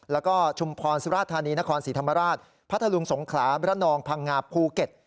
แล้วก็ชุมพรสุราธานีนครศรีธรรมราชพัทธลุงสงขลาบระนองพังงาภูเก็ต